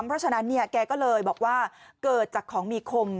เพราะฉะนั้นเนี่ยแกก็เลยบอกว่าเกิดจากของมีคม